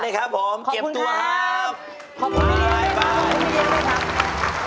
ไปเลยครับผมเก็บตัวครับขอบคุณครับบ๊ายบายขอบคุณครับ